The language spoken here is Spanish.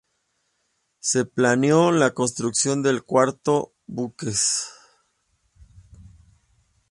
Se planeó la construcción de cuatro buques.